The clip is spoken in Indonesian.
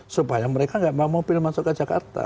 supaya mereka nggak mau mobil masuk ke jakarta